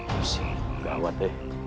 rufin jangan khawatir